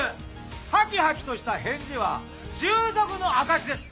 ハキハキとした返事は従属の証しです！